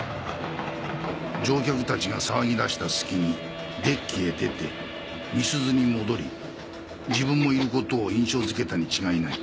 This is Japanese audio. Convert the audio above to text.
乗客たちが騒ぎだした隙にデッキへ出て美鈴に戻り自分もいることを印象づけたに違いない。